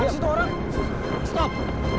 di situ orang stop